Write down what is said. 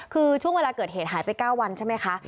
คือช่วงเวลาเกิดเหตุหายไป๙วันใช่ไหมคะ